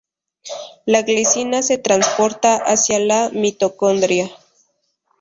La glicina se transporta hacia la mitocondria.